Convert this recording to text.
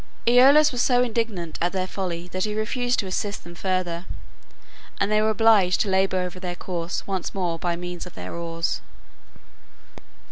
Aeolus was so indignant at their folly that he refused to assist them further, and they were obliged to labor over their course once more by means of their oars.